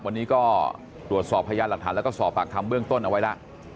วันนี้ก็ตรวจสอบพยานหลักฐานแล้วก็สอบปากคำเบื้องต้นเอาไว้แล้ว